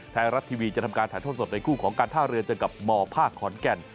ไทยรัฐทีวีจะทำการถ่ายทอดสดในคู่ของการท่าเรือเจอกับมภาคขอนแก่น